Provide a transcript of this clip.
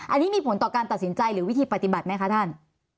อันนี้มีผลต่อการตัดสินใจหรือวิธีปฏิบัติไหมคะท่าน